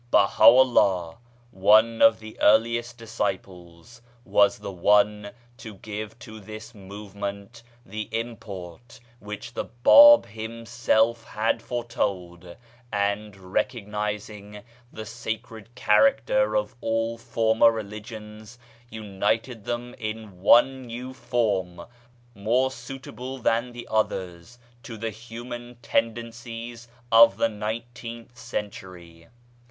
Baha'u'llah, one of the earliest disciples, was the one to give to this move ment the import which the Bab himself had foretold, and, recognising the sacred character of all former religions, united them in one new form more suitable than the others to the human tendencies of the nineteenth century.